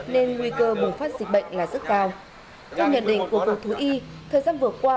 nên nguy cơ bùng phát dịch bệnh là rất cao theo nhận định của cục thú y thời gian vừa qua